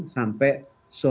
sampai suaminya berubah